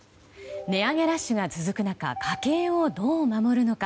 値上げラッシュが続く中家計をどう守るのか。